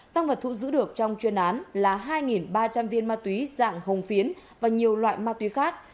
tăng vật thu giữ được trong chuyên án là hai ba trăm linh viên ma túy dạng hồng phiến và nhiều loại ma túy khác